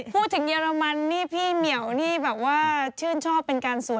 เยอรมันนี่พี่เหมียวนี่แบบว่าชื่นชอบเป็นการสวย